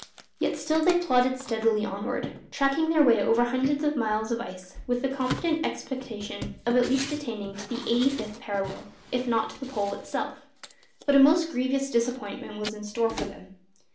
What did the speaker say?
Yet still they plodded steadily onwards, tracking their way over hundreds of miles of ice with the confident expectation of at least attaining to the eighty fifth parallel, if not to the Pole itself. But a most grievous disappointment was in store for them.